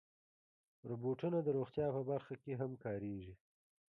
روبوټونه د روغتیا په برخه کې هم کارېږي.